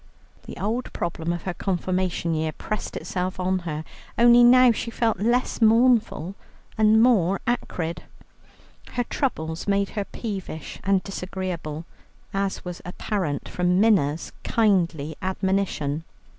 The old problem of her Confirmation year pressed itself on her, only now she felt less mournful and more acrid. Her troubles made her peevish and disagreeable, as was apparent from Minna's kindly admonition.